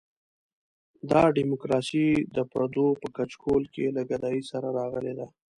دا ډیموکراسي د پردو په کچکول کې له ګدایۍ سره راغلې ده.